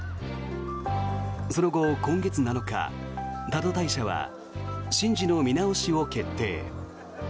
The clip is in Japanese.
その後、今月７日多度大社は神事の見直しを決定。